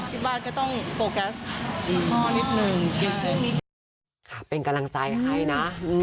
ที่บ้านก็ต้องโปรแกสต์พ่อนิดหนึ่ง